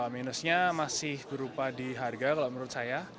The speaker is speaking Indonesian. minusnya masih berupa di harga kalau menurut saya